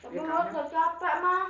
berot udah capek mas